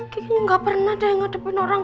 kiki gak pernah deh ngadepin orang